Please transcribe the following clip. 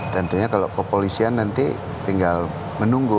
tentunya kalau kepolisian nanti tinggal menunggu